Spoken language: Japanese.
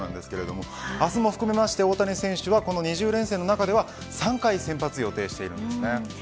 明日も含めて大谷選手は２０連戦の中では３回先発を予定しています。